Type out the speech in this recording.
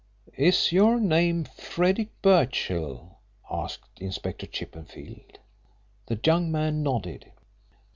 "Is your name Frederick Birchill?" asked Inspector Chippenfield. The young man nodded.